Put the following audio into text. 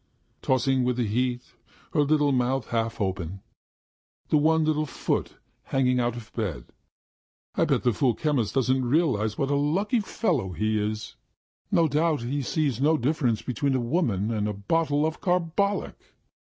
Tossing with the heat, her little mouth half open ... and one little foot hanging out of bed. I bet that fool the chemist doesn't realise what a lucky fellow he is. ... No doubt he sees no difference between a woman and a bottle of carbolic!"